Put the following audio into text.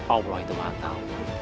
oblo itu matau